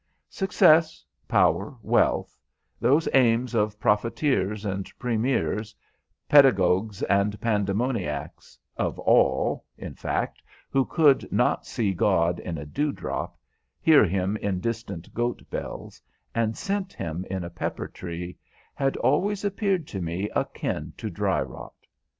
Success, power, wealth, those aims of profiteers and premiers, pedagogues and pandemoniacs, of all, in fact, who could not see God in a dewdrop, hear Him in distant goat bells, and scent Him in a pepper tree, had always appeared to me akin to dry rot.